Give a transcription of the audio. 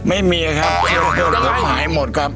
ไม่มีอ่ะครับเพื่อนฝูงขายหมดครับ